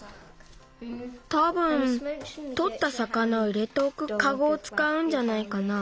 たぶんとったさかなを入れておくカゴをつかうんじゃないかな。